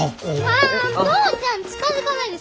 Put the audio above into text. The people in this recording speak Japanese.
ああ父ちゃん近づかないで！